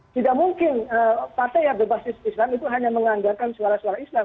tidak mungkin partai yang berbasis islam itu hanya menganggarkan suara suara islam